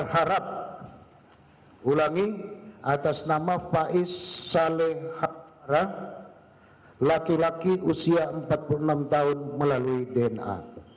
harap ulangi atas nama faiz salehra laki laki usia empat puluh enam tahun melalui dna